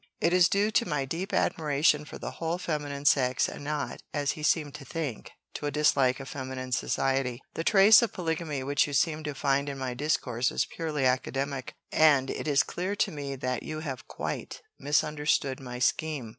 It is due to my deep admiration for the whole feminine sex, and not, as he seemed to think, to a dislike of feminine society. The trace of polygamy which you seem to find in my discourse is purely academic, and it is clear to me that you have quite misunderstood my scheme.